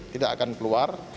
tidak akan keluar